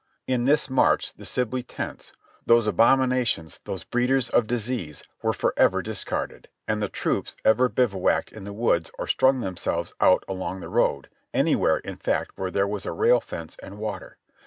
In this march the Sibley tents — those abominations, those breeders of disease — were forever discarded, and the troops either bivouacked in the woods or strung themselves out along the road, anywhere in fact where there was a rail fence and water.